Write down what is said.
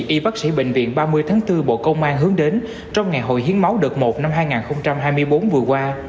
y bác sĩ bệnh viện ba mươi tháng bốn bộ công an hướng đến trong ngày hội hiến máu đợt một năm hai nghìn hai mươi bốn vừa qua